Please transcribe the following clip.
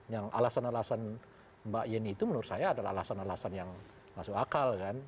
yang alasan alasan mbak yeni itu menurut saya adalah alasan alasan yang masuk akal kan